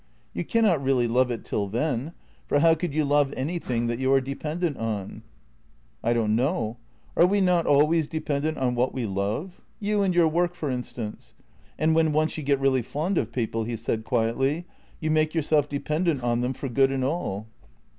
You cannot really love it till then — for how could you love any thing that you are dependent on? "" I don't know. Are we not always dependent on what we love? — you and your work, for instance. And when once you get really fond of people," he said quietly, " you make your self dependent on them for good and all."